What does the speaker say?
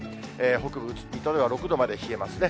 北部、水戸では６度まで冷えますね。